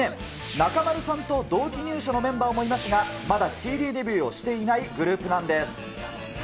中丸さんと同期入所のメンバーもいますが、まだＣＤデビューをしていないグループなんです。